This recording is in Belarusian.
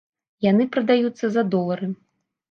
Яны прадаюцца за долары.